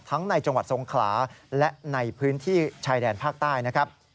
ในจังหวัดทรงขลาและในพื้นที่ชายแดนภาคใต้นะครับ